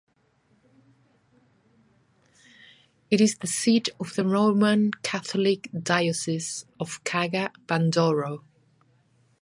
It is the seat of the Roman Catholic Diocese of Kaga-Bandoro.